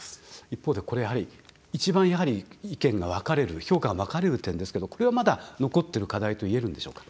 一方でこれ、やはり一番、意見が分かれる評価が分かれる点ですけどこれはまだ、残ってる課題と言えるんでしょうか。